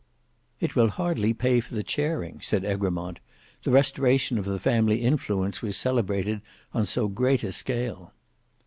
"It will hardly pay for the chairing," said Egremont; "the restoration of the family influence was celebrated on so great a scale."